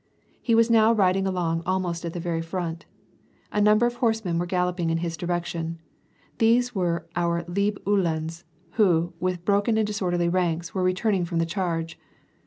He was now riding along almost at the very front. A num ber of horsemen were galloping in his direction. These were our Leib Uhlans who, with broken and disorderly ranks were returning from the charge.